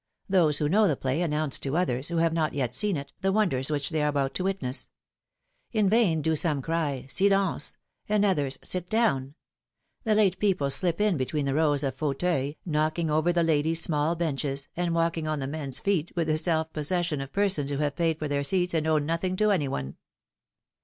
Those who know the play announce to others, who have not yet seen it, the wonders which they are about to witness. In vain do some cry, silence and others, ^^sit down!'^ The late people slip in between the rows of fauteuils, knocking over the ladies' small benches, and walking on the men's feet, with the self possession of persons who have paid for their seats and owe nothing to any one.